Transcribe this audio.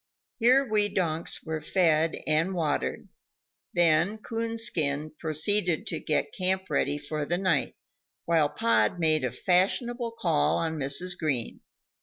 Here we donks were fed and watered; then Coonskin proceeded to get camp ready for the night, while Pod made a fashionable call on Mrs. Green.